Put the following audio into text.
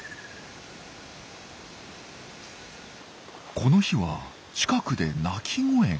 この日は近くで鳴き声が。